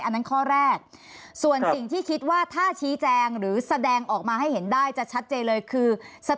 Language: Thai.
อันนั้นข้อแรกส่วนสิ่งที่คิดว่าถ้าชี้แจงหรือแสดงออกมาให้เห็นได้จะชัดเจนเลยคือ